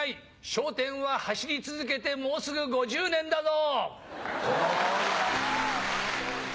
笑点は走り続けて、もうすぐ５０年だぞ。